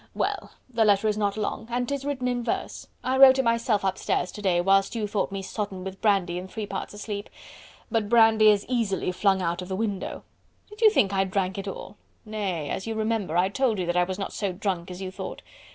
Well! the letter is not long and 'tis written in verse.... I wrote it myself upstairs to day whilst you thought me sodden with brandy and three parts asleep. But brandy is easily flung out of the window.... Did you think I drank it all?... Nay! as you remember, I told you that I was not so drunk as you thought?...